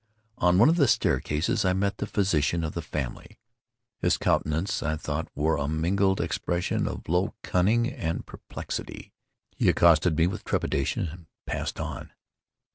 On one of the staircases, I met the physician of the family. His countenance, I thought, wore a mingled expression of low cunning and perplexity. He accosted me with trepidation and passed on.